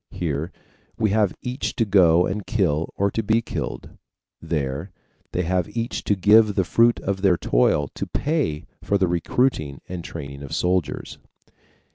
Here we have each to go and kill or be killed, there they have each to give the fruit of their toil to pay for the recruiting and training of soldiers.